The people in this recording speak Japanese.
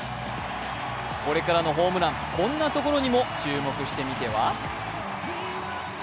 これからのホームラン、こんなところにも注目してみては。